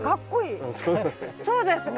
そうですか？